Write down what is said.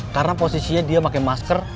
karena posisinya dia pakai masker